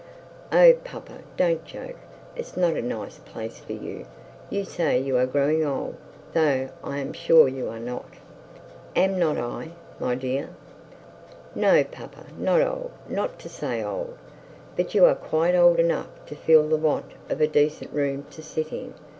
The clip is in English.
'Oh, papa, don't joke. It's not a nice place for you. You say you are growing old, though I am sure you are not.' 'Am I not, my dear?' 'No, papa, not old not to say old. But you are quite old enough to feel the want of a decent room to sit in.